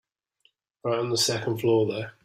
Right on the second floor there.